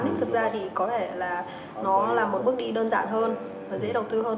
thì thực ra có lẽ là nó là một bước đi đơn giản hơn và dễ đầu tư hơn